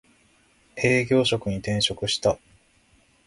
営業職に転職した